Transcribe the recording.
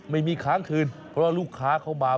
ไม่มีค้างคืนเพราะลูกค้าเขามา